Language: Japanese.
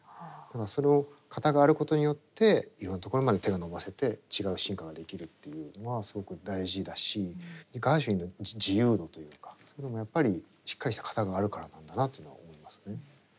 だからその型があることによっていろんなところまで手が伸ばせて違う進化ができるっていうのはすごく大事だしガーシュウィンの自由度というかそういうのもやっぱりしっかりした型があるからなんだなっていうのは思いますね。